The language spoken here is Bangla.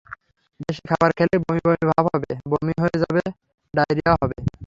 বেশি খাবার খেলেই বমি বমি ভাব হবে, বমি হয়ে যাবে, ডায়রিয়া হবে।